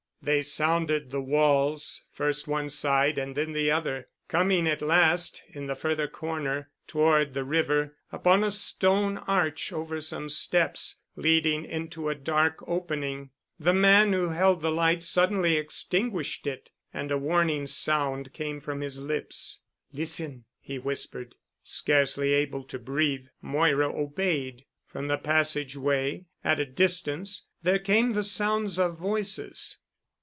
They sounded the walls, first one side and then on the other, coming at last, in the further corner, toward the river, upon a stone arch over some steps leading into a dark opening. The man who held the light suddenly extinguished it and a warning sound came from his lips. "Listen," he whispered. Scarcely able to breathe, Moira obeyed. From the passage way at a distance, there came the sounds of voices.